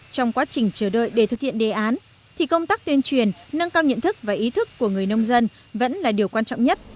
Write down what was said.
trong quá trình chờ đợi để thực hiện đề án thì công tác tuyên truyền nâng cao nhận thức và ý thức của người nông dân vẫn là điều quan trọng nhất